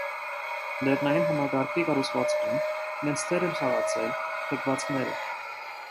Լեռնային համակարգի կառուցվածքում մեծ դեր են խաղացել բեկվածքները։